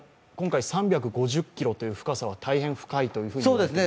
今回３５０ｋｍという深さは大変深いと思いますが？